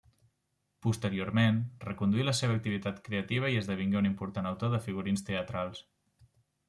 Posteriorment, reconduí la seva activitat creativa i esdevingué un important autor de figurins teatrals.